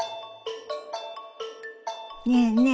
ねえねえ